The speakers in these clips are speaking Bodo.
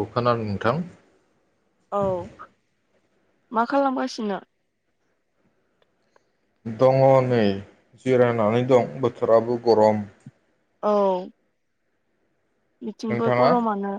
औ खोनादों नोंथां औ मा खालामगासिनो दङ नै जिरायनानै दं बोथोराबो गरम औ बिथिंबो नोंथाङा गरमानो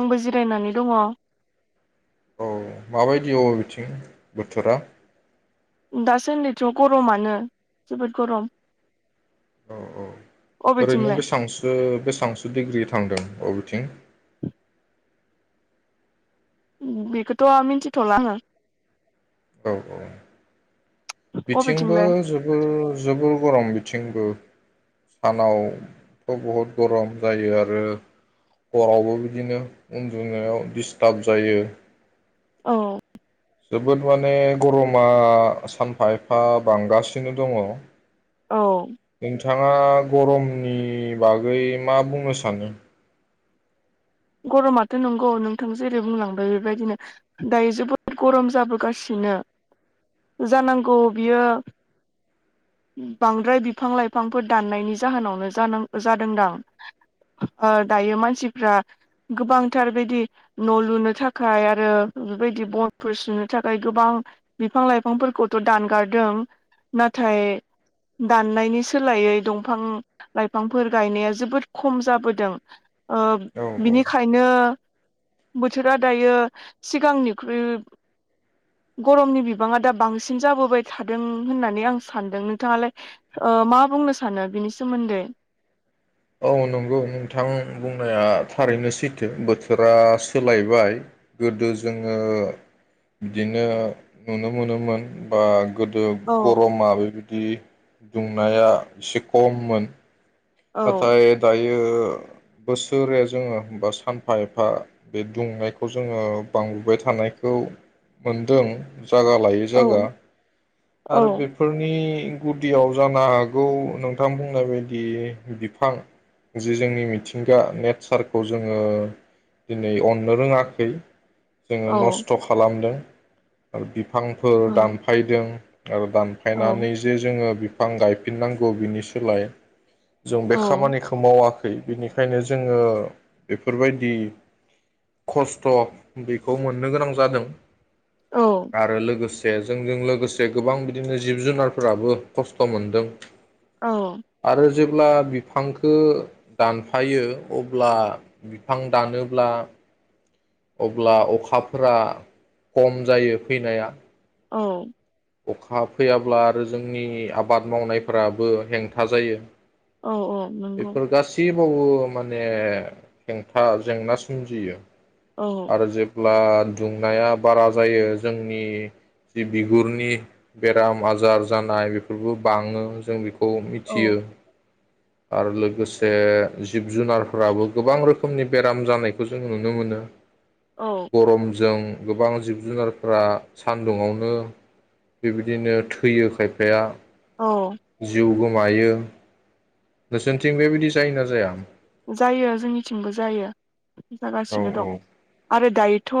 आंबो जिरायनानै दङ औ माबायदि अ बिथिं बोथोरा दासान्दिथ' गरमानो जोबोद गरम औ औ ओरैनो अबेथिंलाय बेसांसो बेसबांसो डिग्रि थांदों औ [inaudible] बेखौथ' मिथिथ'ला आङो औ औ बिथिंबो अबेथिंलाय जोबोर जोबोर गरम बिथिंबो सानावथ' बहुद गरम जायो आरो हरावबो बिदिनो उन्दुनायाव दिडिस्टार्ब जायो औ जोबोद माने गरमा सानफा एफा बांगासिनो दङ औ बिथाङा गरमनि बागै मा बुंनो सानो गरमाथ' नंगौ नोंथां जेरै बुंलांबाय बेबायदिनो दायो जोबोद गरम जाबोगासिनो जानांगौ बियो बांद्राय बिफां लाइफांफोर दाननायनि जाहोनावनो जादोंदां दायो मानसिफ्रा गोबांथार बेदि न' लुनो थाखाय आरो बेबायदि बनफोर सुनो थाखाय गोबां बिफां लाइफांफोरखौथ' दानगारदों नाथाय दाननायनि सोलायै दंफां लाइफांफोर गायनाया जोबोद खम जाबोदों अ औ बिनिखायनो बोथोरा दायो सिगांनिख्रुइ गरमनि बिबाङा दा बांसिन जाबोबाय थादों होननानै आं सानदों नोंथाङालाय मा बुंनो सानो बिनि सोमोन्दै औ नंगौ नोंथां बुंनाया थारैनो सैथो बोथोरा सोलायबाय गोदो जोङो बिदिनो नुनो मोनोमोन बा गोदो औ गरमा बेबायदि दुंनाया एसे खममोन औ नाथाय दायो बे बोसोरै जोङो बा सानफा एफा बे दुंनायखौ जोङो बांबोाय थानायखौ मोनदों जायगा लायै औ जायगा आरो बेफोरनि गुदियाव जानो हागौ नोंथां बुंनाय बायदि बिफां जि जोंनि मिथिंगा नेचारखौ जोङो दिनै अननो रोङाखै जोङो औ नस्थ' खालामदों आरो बिबदि बिफांफोर औ दानफायदों आरो औ दानफायनानै जे जोङो बिफां गायफिननांगौ बिनि सोलाय जों बे औ खामानिखौ मावाखै बिनिखायनो जोङो बेफोरबायदि खस्थ' बेखौ मोननो गोनां जादों औ आरो लोगोसे जे जोंजों लोगोसे गोबां बिदिनो जिब जुनारफोराबो खस्थ' मोनदों औ अब्ला बिफांखो दानफायो अब्ला बिफां दानोब्ला अब्ला अखाफोरा खम जायो फैनाया औ अखा फैयाब्ला आरो जोंनि आबाद मावनायफोराबो हेंथा जायो औ औ नोंगौ औ‌ ओ माने हेंथा जेंना सोमजियो औ आरो जेब्ला दुंनाया बारा जायो जोंनि जि बिगुरनि बेराम आजार जानाय बेफोरखौ बाङो जों बे खौ मिथियो औ आरो लोगोसे जिब जुनारफोराबो गोबां रोखोम रोखोमनि बेराम जानायखौ जों नुनो मोनो औ गरमजों गोबां जिब जुनारफ्रा सानदुंआवनो बेबायदिनो थैयो खायफाया औ जिउ गो मायो नोसोरनिथिं बेबायदि जायोना जाया जायो जोंनिथिंबो जायो औ जागासिनो दं आरो दायोथ'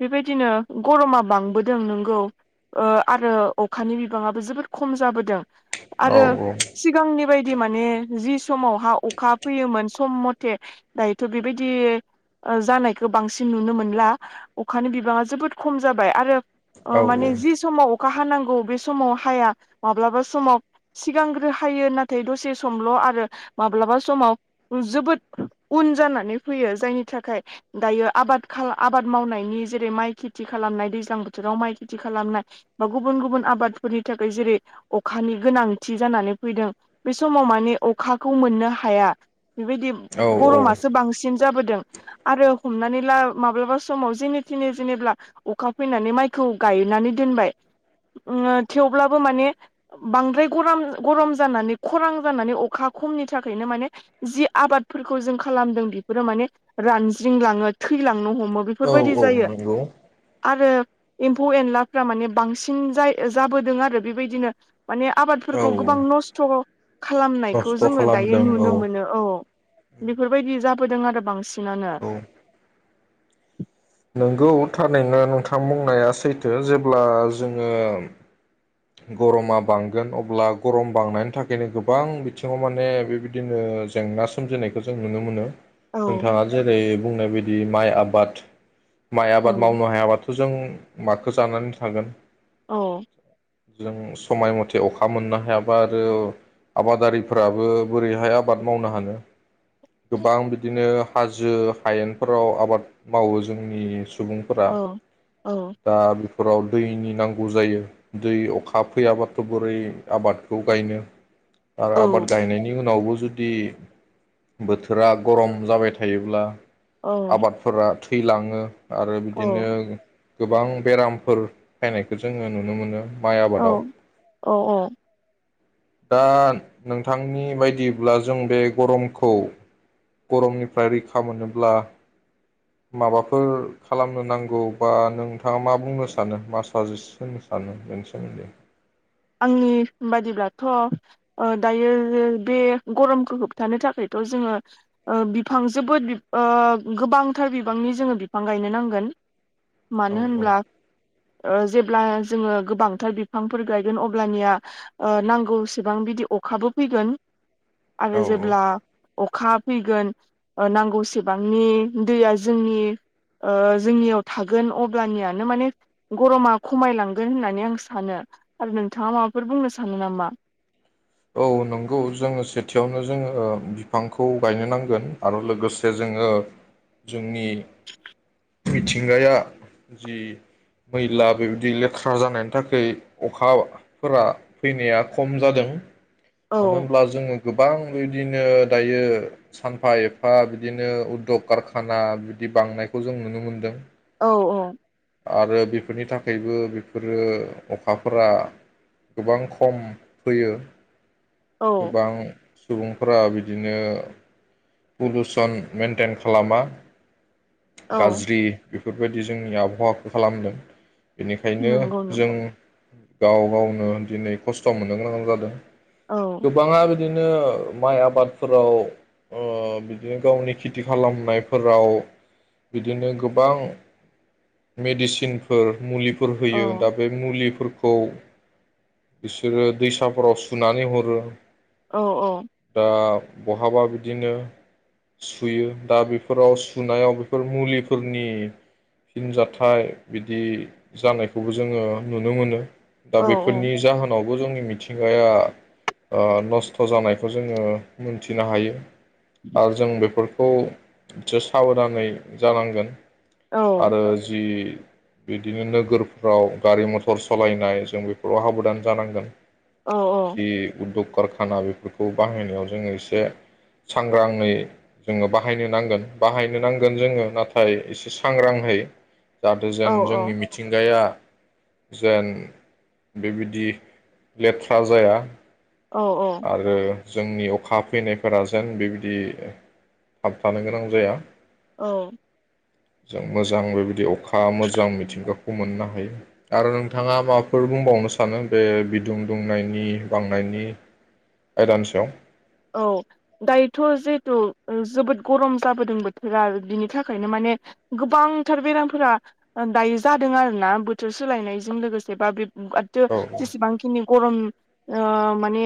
बेबायदिनो गरमा बांबोदों नोंगौ ओ आरो अखानि बिबाङाबो जोबोद खम जाबोदों औ आरो सिगांनि बायदि दि माने जि समावहा अखा फैयोमोन सम मथे दायोथ' बेबायदि ओ जानायखौ बांसिन नुनो मोनला अखानि बिबाङा जोबोद खम जाबाय आरो औ अ माने जि समाव अखा हानांगौ बे समाव हाया माब्लाबा समाव सिगांग्रो हायो नाथाय दसे समल' आरो माब्लाबा समाव जोबोद उन जानानै फैयो जायनि थाखाय दायो आबाद आबाद मावनायनि जेरै माइ खेथि खालामनाय दैज्लां बोथोराव माइ खेथि खालामनाय बा गुबुन गुबुन आबादफोरनि थाखाय जेरै अखानि गोनांथि जानानै फैदों बे समाव माने अखाखौ मोननो हाया बेबायदि औ गरमासो बांसिन जाबोदों आरो हमनानै ला माब्लाबा समाव जेने थेन जेनेब्ला अखा फैनानै माइखौ गायनानै दोनबाय ओ थेवब्लाबो माने बांद्राय गर गरम जानानै खरां जानानै अखा खमनि थाखायनो माने जि आबादफोरखौ जों खालामदों बेफोरो माने रानज्रिंलाङो थैलांनो ह मो औ बेफोरबायदि औ जायो नंगौ आरो एम्फौ एनलाफ्रा माने बांसिन जाय जाबोदों आरो बेबायदिनो माने औ आबादफोरखौ गोबां नस्थ' खालामनायखौ नस्थ' जोङो दायो खालामदों औ नुनो मोनो बेफोरबायदि जाबोदों आरो बांसिन नानो [inaudible] औ नंगौ थारैनो नोंथां बुंनाया सैथो जेब्ला जोङो गरमा बांगोन अब्ला गरम बांनायनि थाखायनो गोबां बिथिङाव माने बेबायदिनो जेंना सोमजिनायखौ जों नुनो मोनो औ नोंथाङा जेरै बुंनाय बायदि माइ आबाद माइ औ आबाद मावनो हायाबाथ जों माखो जानानै थागोन औ जों समाय मथे अखा मोननो हायाबा आरो आबादारिफोराबो बोरैहाय आबाद मावनो हानो गोबां बिदिनो हाजो हायेनफोराव आबाद मावो जोंनि सुबुंफोरा औ औ दा बे फोराव दैनि नांगौ जायो दै अखा फैयाबाथ बोरै आबादखौ गायनो आरो औ आबाद गायनायनि उनावबो जुदि बोथोरा गरम जाबाय थायोब्ला आबादफोरा थैलाङो आरो औ बिदिनो गोबां बेरामफोर फायनायखौ जोङो नुनो मोनो माइ औ आबादाव औ औ दा नोंथांनि बायदिब्ला जों बे गरमखौ गरमनिफ्राय रैखा मोनोब्ला माबाफोर खालामनो नांगौ बा नोंथाङा मा बुंनो सानो मा साजेस होनो सानो बेनि सोमोन्दै आंनि बादिब्लाथ दायो बे गरमखौ होबथानो थाखायथ जोङो बिफां जोबोद गोबांथार बिबांनि जोङो बिफां गायनो नांगोन औ मानो होनब्ला ओ जे ब्ला जोङो गोबांथार बिफांफोर गाय गोन अब्लानिया नांगौसेबां बिदि अखाबो फैगोन औ आरो औ जेब्ला अखा फैगोन ओ नांगौसेबांनि दैया जोंनि ओ जोंनियाव थागोन अब्लानियानो माने गरमा खमायलांगोन होननानै आं सानो आरो नोंथाङा माबाफोर बुंनो सानो नामा औ नंगौ जोङो सेथियावनो जोङो बिफांखौ गायनो नांगोन आरो लोगोसे जोङो जोंनि मिथिंगाया जि मैला बेबायदि लेथ्रा जानायनि थाखै अखाफोरा फैनाया खम जादों औ मानो होनब्ला जोङो गोबां बायदिनो दायो सानफा एफा बिदिनो उद्दग कारखाना बिदि बांनायखौ जों नुनो मोनदों औ औ आरो बेफोरनि थाखायबो बेफोरो अखाफोरा गोबां खम फैयो औ गोबां सुबुं फोरा बिदिनो पलुसन मेइेनटेन खालामा औ गाज्रि बेफोरबायदि जोंनि आबहावाखौ खालामदों बेनिखायनो नंगौ जों नंगौ गाव गावनो दिनै खस्थ' मोननो गोनां जादों औ गोबाङा बे बिदिनो माइ आबादफोराव ओ बिदिनो गावनि खेथि खालामनायफोराव बिदिनो गोबां मेडिसिनफोर मुलिफोर फोर औ होयो दा बे मुलिफोरखौ खौ बिसोरो दैसाफोराव सुनानै हरो औ औ दा बहाबा बिदिनो सुयो दा बेफोराव सुनायाव बेफोर मुलिफोरनि फिनजथाइ बिदि जानायखौबो जोङो नुनो मोनो दा औ बेफोरनि जाहोनाव बेखौ जोंनि मिथिंगाया ओ नस्थ' जानायखौ जोङो मोनथिनो हायो आरो जों बेफोर खौ एसे साबधानै जानांगोन औ आरो जि बिदिनो नोगोरफ्राव गारि मथर सलायनाय जों बेफोराव हाबदान जानांगोन औ जि उद्दग कारखाना बेफोरखौ बाहायनायाव जोङो एसे सांग्राङै जोङो बाहायनो नांगोन बाहायनो नांगोन जोङो नाथाय एसे सांग्राङै जाहाथे जेन औ जोंनि मिथिंगाया जेन बेबायदि लेथ्रा जाया औ औ आरो जोंनि अखा फैनायफोरा जेन बेबायदि थाबथानो गोनां जाया औ जों मोजां बेबायदि अखा मोजां मिथिंगाखौ मोननो हायो आरो नोंथाङा माबाफोर बुंबावनो सानो बे बिदुं दुंनायनि बांनायनि आयदानि सायाव औ दायोथ' जिहेथु जोबोद गरम जाबोदों बोथोरा बिनि थाखायनो माने गोबांथार बेरामफोरा दायो जादों आरोना बोथोर सोलायनायजों लोगोसे बा बे औ जेसेबांखिनि गरम ओ माने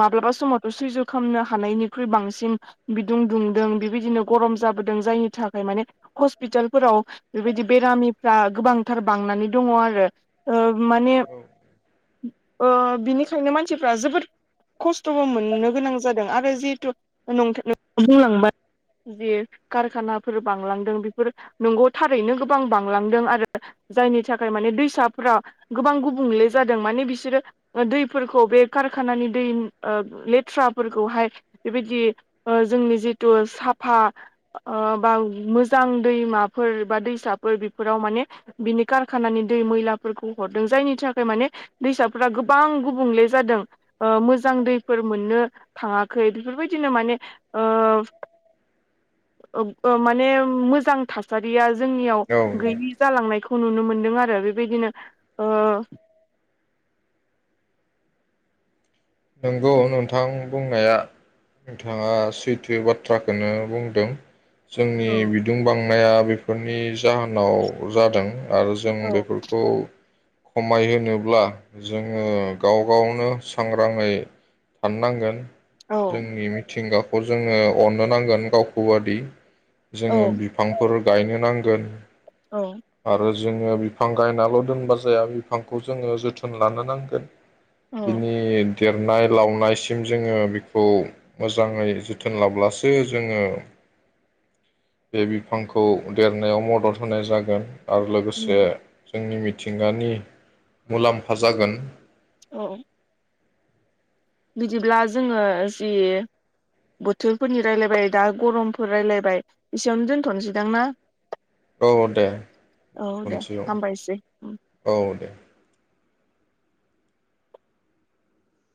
माब्लाबा समावथ' सैजो खामनो हानायनिख्रुइ बांसिन बिदुं दुंदों बेबायदिनो गरम जाबोदों जायनि थाखाय माने हस्पिटालफोराव बेबायदि बेरामिफ्रा गोबांथार बांनानै दङ आरो ओ माने ओ बिनिखायनो मानसिफ्रा जोबोद खस्थ'बो मोननो गोनां जादों आरो जिहेथु बुंलांबाय जे कारखानाफोर बांलांदों बेफोर नंगौ थारैनो गोबां बांलांदों आरो जायनि थाखाय माने दैसाफोरा गोबां गुबुंले जादों माने बिसोरो दैफोरखौ बे कारखानानि दै लेथ्रा फोरखौहाय बेबायदि जोंनि जिथु साफा आ बा मोजां दैमाफोर बा दैसाफोर बेफोराव माने बिनि कारखानानि दै मैलाफोरखौ हरदों जायनि थाखाय माने दैसाफोरा गोबां गुबुंले जादों मोजां दैफोर मोननो थाङाखै बेफोरबायदिनो माने ओ माने मोजां थासारिया जोंनियाव औ औ गैयि जालांनायखौ खौ नुनो मोनदों आरो बेबायदिनो ओ नंगौ नोंथां बुंनाया नोंथाङा सैथो बाथ्राखौनो बुंदों जोंनि औ बिदुंबां बांनाया बेफोरनि जाहोनाव जादों आरो जों औ बेफोरखौ खमायहोनोब्ला जोङो गाव गावनो सांग्रां ग्राङै थानोनांगोन जोंनि मिथिंगा जोङो अननो नांगोन गावखौ बादि औ जोङो बिफांफोर गायनो नांगोन औ आरो जोङो बिफां गायनाल' दोनबा जाया बिफांखौ जोङो जोथोन लानो नांगोन औ बिनि देरनाय लावनायसिम जोङो बेखौ मोजाङै जोथोन लाब्लासो जोङो बे बिफांखौ देरनायाव मदद होनाय जागोन आरो लोगोसे जोंनि मिथिंगानि मुलाम्फा जागोन औ बिदिब्ला जोङो जि बोथोरफोरनि रायलायबाय दा गरमफोर रायलायबाय एसेयावनो दोनथ'नोसैदां ना औ दे औ दे दोनथोसै औ हामबायसै औ दे